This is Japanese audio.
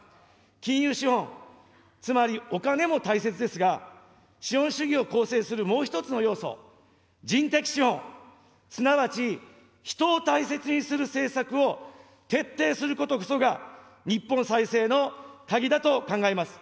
金融資本、つまりお金も大切ですが、資本主義を構成するもう１つの要素、人的資本、すなわち人を大切にする政策を徹底することこそが、日本再生の鍵だと考えます。